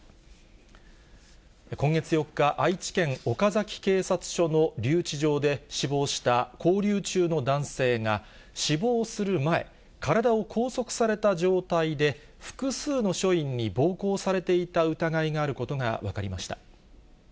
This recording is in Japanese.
今月４日、愛知県岡崎警察署の留置場で死亡した勾留中の男性が、死亡する前、体を拘束された状態で、複数の署員に暴行されていた疑いがあることが分かりました。